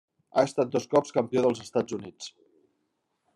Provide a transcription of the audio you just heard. Ha estat dos cops Campió dels Estats Units.